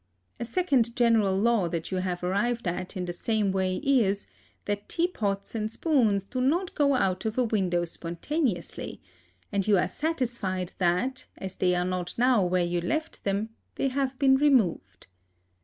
A second general law that you have arrived at in the same way is, that tea pots and spoons do not go out of a window spontaneously, and you are satisfied that, as they are not now where you left them, they have been removed.